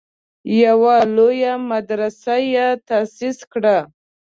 یوه لویه مدرسه یې تاسیس کړه.